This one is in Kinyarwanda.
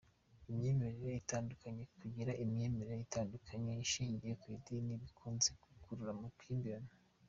Imyemerere itandukanye : Kugira imyemerere itandukanye ishingiye ku idini, bikunze gukurura amakimbirane.